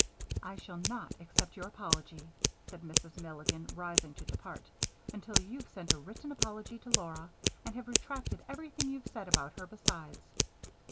"I shall not accept your apology," said Mrs. Milligan, rising to depart, "until you've sent a written apology to Laura and have retracted everything you've said about her, besides."